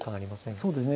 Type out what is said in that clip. そうですね。